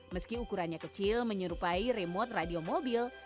meski ukurannya kecil menyerupai remote radio mobil